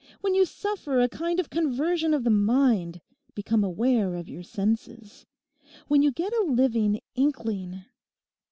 When you suffer a kind of conversion of the mind; become aware of your senses. When you get a living inkling.